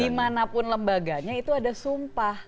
dimanapun lembaganya itu ada sumpah